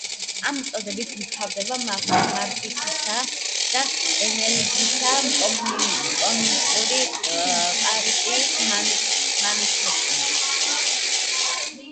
ამ მოწოდებით მთავრდება მარქსისა და ენგელსის „კომუნისტური პარტიის მანიფესტი“.